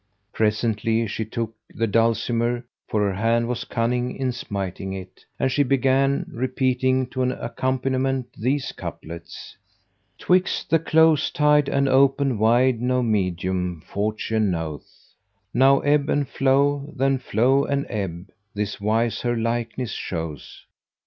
Presently, she took the dulcimer, for her hand was cunning in smiting it, and she began repeating to an accompaniment these couplets, "Twixt the close tied and open wide no medium Fortune knoweth, * Now ebb and flow then flow and ebb this wise her likeness showeth.